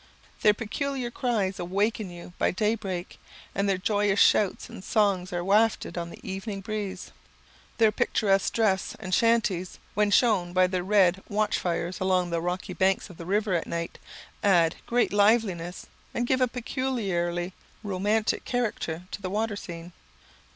Their peculiar cries awaken you by day break, and their joyous shouts and songs are wafted on the evening breeze. Their picturesque dress and shanties, when shown by their red watch fires along the rocky banks of the river at night, add great liveliness, and give a peculiarly romantic character to the water scene.